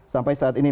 sampai saat ini